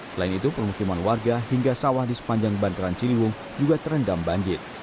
selain itu permukiman warga hingga sawah di sepanjang bantaran ciliwung juga terendam banjir